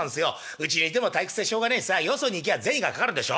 うちにいても退屈でしょうがねえしさよそに行きゃあ銭がかかるでしょ。